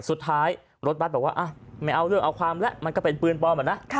สุดท้ายรถบัตรบอกว่าไม่เอาเรื่องเอาความแล้วมันก็เป็นปืนปลอมอะนะ